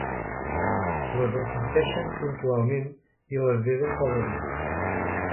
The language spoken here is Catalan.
Les reparteixen puntualment i les desen cada dia.